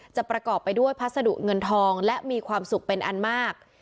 ประกอบไปด้วยพัสดุเงินทองและมีความสุขเป็นอันมาก